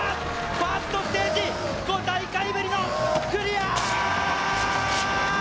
ファーストステージ５大会ぶりのクリア！